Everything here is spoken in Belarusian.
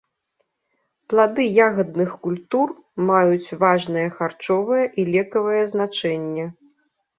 Плады ягадных культур маюць важнае харчовае і лекавае значэнне.